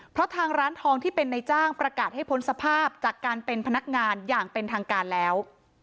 เพราะทางร้านทองที่เป็นในจ้างประกาศให้พ้นสภาพจากการเป็นพนักงานอย่างเป็นทางการแล้ว